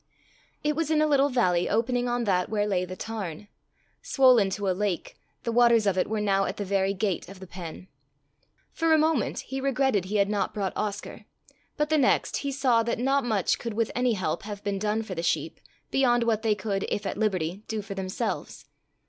It was in a little valley opening on that where lay the tarn. Swollen to a lake, the waters of it were now at the very gate of the pen. For a moment he regretted he had not brought Oscar, but the next he saw that not much could with any help have been done for the sheep, beyond what they could, if at liberty, do for themselves.